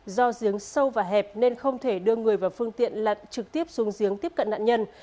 do giếng sâu và hẹp nên không thể đưa người vào phương tiện lật trực tiếp xuống giếng tiếp cận nạn nhân